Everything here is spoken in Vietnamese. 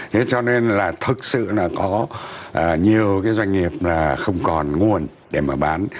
thế cho nên là thực sự là có nhiều cái doanh nghiệp là không còn nguồn để mà bán